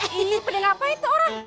eh ini pada ngapain tuh orang